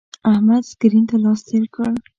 احمد سکرین ته لاس تیر کړ.